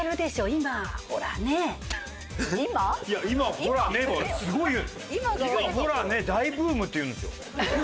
「今ほらね大ブーム」って言うんですよ。